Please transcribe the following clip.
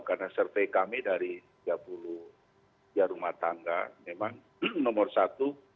karena survei kami dari tiga puluh rumah tangga memang nomor satu